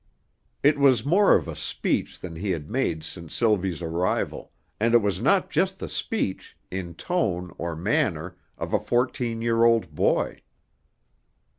It was more of a speech than he had made since Sylvie's arrival, and it was not just the speech, in tone or manner, of a fourteen year old boy.